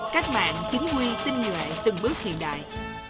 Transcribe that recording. cách mạng chính quy tinh nhuệ từng bước hiện đại